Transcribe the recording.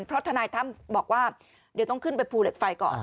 เพราะทนายตั้มบอกว่าเดี๋ยวต้องขึ้นไปภูเหล็กไฟก่อน